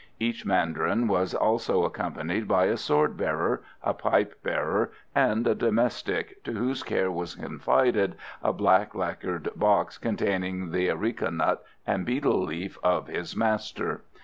Each mandarin was also accompanied by a sword bearer, a pipe bearer, and a domestic to whose care was confided a black lacquered box containing the areca nut and betel leaf of his master.